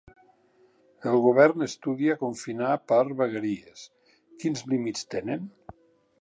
El govern estudia de confinar per vegueries: quins límits tenen?